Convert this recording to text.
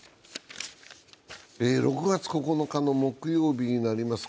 ６月９日の木曜日になります。